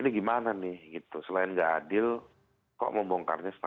dia bilang saya boleh sebut merknya nggak di bnn